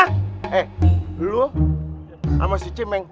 he lu sama si cemeng